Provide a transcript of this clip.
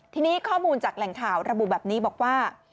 ทีนี้ข้อมูลจากแหล่งข่าวระบุแบบนี้บอกว่า